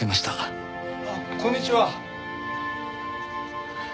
あっこんにちは。